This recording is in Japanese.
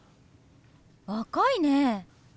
若いね！